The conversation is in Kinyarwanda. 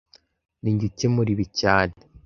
Ninjye ukemura ibi cyane